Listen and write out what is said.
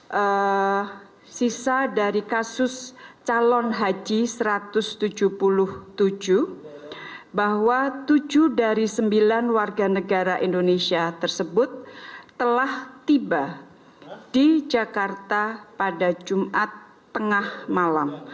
saya sisa dari kasus calon haji satu ratus tujuh puluh tujuh bahwa tujuh dari sembilan warga negara indonesia tersebut telah tiba di jakarta pada jumat tengah malam